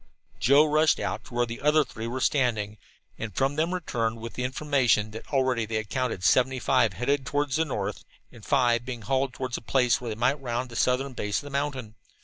Joe rushed out to where the other three were standing, and from them returned with the information that already they had counted seven headed toward the north, and five being hauled toward a place where they might round the southern base of the mountain.